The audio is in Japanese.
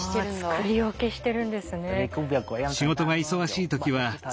作り置きしてるんですね。